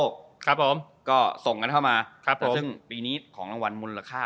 ก็ถ่ายผลผู้ฟังภูมิบนโลก